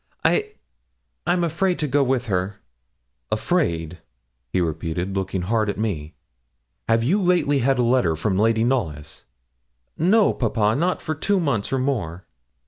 'I I'm afraid to go with her.' 'Afraid!' he repeated, looking hard at me. 'Have you lately had a letter from Lady Knollys?' 'No, papa, not for two months or more.'